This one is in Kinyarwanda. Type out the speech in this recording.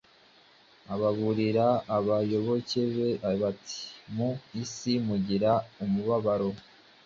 Aburira abayoboke be ati: “Mu isi mugira umubabaro.